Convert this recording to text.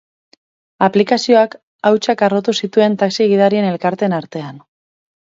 Aplikazioak hautsak harrotu zituen taxi-gidarien elkarteen artean.